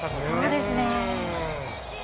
そうですね。